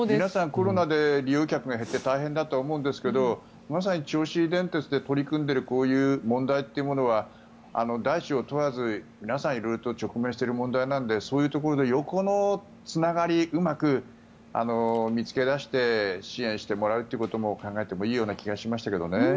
コロナで利用客が減って大変だと思うんですけどまさに銚子電鉄で取り組んでいるこういう問題というのは大小問わず皆さん色々と直面している問題なのでそういうところで横のつながりをうまく見つけ出して支援してもらうということも考えていいような気がしましたけどね。